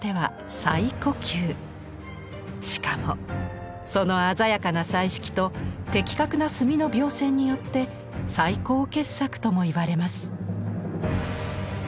しかもその鮮やかな彩色と的確な墨の描線によって最高傑作とも言われます。